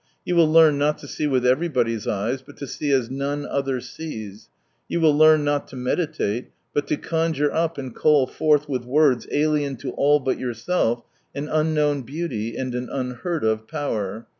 You will learn not to see with everybody's eyes, but to see as none other sees. You will learn not to meditate, but to conjure up and call forth with words alien to all but yourself an unknown beauty and an unheard of power.